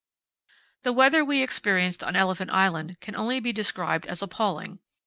The weather that we experienced on Elephant Island can only be described as appalling.